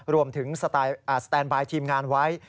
รวมถึงสแตนบายทีมงานไว้